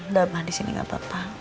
udah mama disini gak apa apa